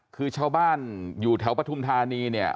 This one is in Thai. คือชาวบ้านอยู่แถวปฐุมธานีเนี่ย